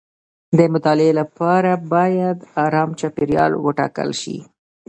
د مطالعې لپاره باید ارام چاپیریال وټاکل شي.